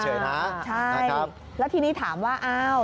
ใช่แล้วทีนี้ถามว่าอ้าว